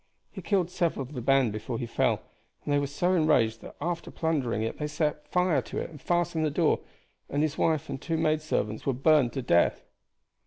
He killed several of the band before he fell, and they were so enraged that after plundering it they set it on fire and fastened the door, and his wife and two maid servants were burned to death."